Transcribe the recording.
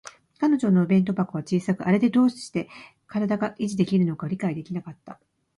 彼女のお弁当箱は小さく、あれでどうして身体が維持できるのか理解できなかった